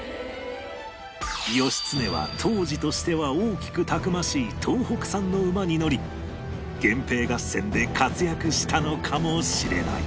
義経は当時としては大きくたくましい東北産の馬に乗り源平合戦で活躍したのかもしれない